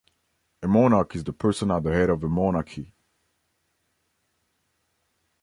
A monarch is the person at the head of a monarchy.